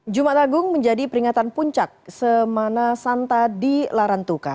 jumat agung menjadi peringatan puncak semana santa di larantuka